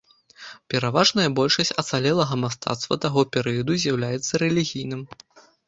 Пераважная большасць ацалелага мастацтва таго перыяду з'яўляецца рэлігійным.